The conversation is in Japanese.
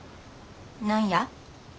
何や？